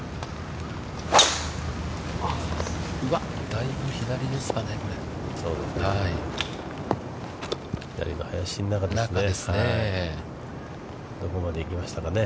だいぶ左ですかね。